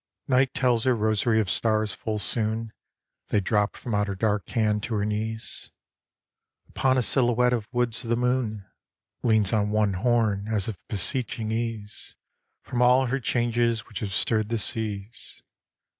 Night tells her rosary of stars full soon, They drop from out her dark hand to her knees. Upon a silhouette of woods the moon 164 EVENING IN ENGLAND 165 Leans on one horn as if beseeching ease From all her changes which have stirred the seas.